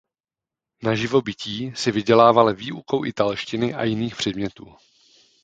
Na živobytí si vydělával výukou italštiny a jiných předmětů.